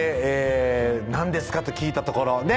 「何ですか？」と聞いたところね